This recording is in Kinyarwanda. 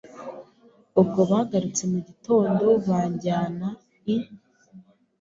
ubwo bagarutse mugitondo banjyana I